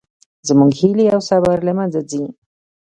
زموږ هیلې او صبر له منځه ځي